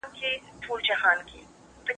لويه جرګه د ملي شتمنيو پر ساتنه خبرې کوي.